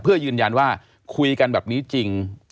เพื่อยืนยันว่าคุยกันแบบนี้จริง